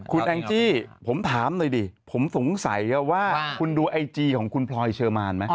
คุณแองจี้ผมถามหน่อยดิผมสงสัยว่าคุณดูไอจีของคุณพลอยเชอร์มานไหม